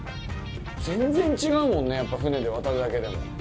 全然違うもんね、船で渡るだけでも。